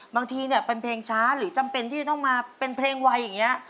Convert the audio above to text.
บางทีเนี่ยเป็นเพลงช้าหรือจำเป็นที่จะต้องมาเป็นเพลงวัยอย่างนี้